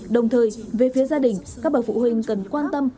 đồng thời về phía gia đình các bậc phụ huynh cần quan tâm